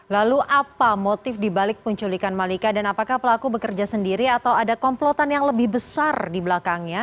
lalu apa motif dibalik penculikan malika dan apakah pelaku bekerja sendiri atau ada komplotan yang lebih besar di belakangnya